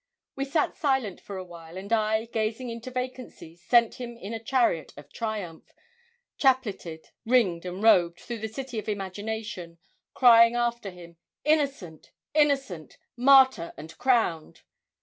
We sat silent for a while, and I, gazing into vacancy, sent him in a chariot of triumph, chapletted, ringed, and robed through the city of imagination, crying after him, 'Innocent! innocent! martyr and crowned!'